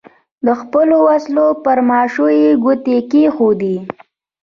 د خپلو وسلو پر ماشو یې ګوتې کېښودې.